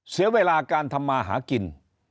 เสียเวลาการทำมาหากิน